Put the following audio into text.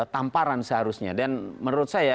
tamparan seharusnya dan menurut saya